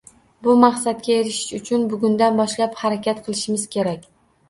Bu maqsadga erishish uchun bugundan boshlab harakat qilishimiz kerak